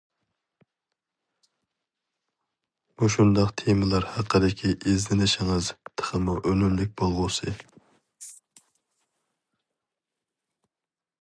مۇشۇنداق تېمىلار ھەققىدىكى ئىزدىنىشىڭىز تېخىمۇ ئۈنۈملۈك بولغۇسى!